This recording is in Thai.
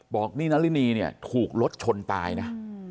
บอกนี่นารินีเนี่ยถูกรถชนตายนะ